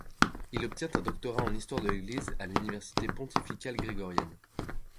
Il obtient un doctorat en histoire de l'Église à l'Université pontificale grégorienne.